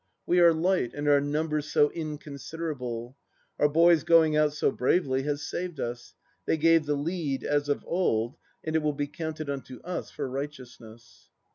We are light, and our numbers so inconsiderable 1 Our boys going out so bravely have saved us ; they gave the lead, as of old, and it will be counted unto us for righteousness.